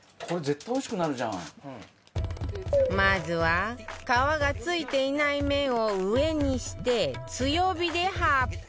まずは皮が付いていない面を上にして強火で８分